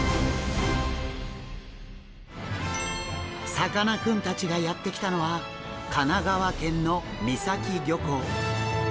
さかなクンたちがやって来たのは神奈川県の三崎漁港。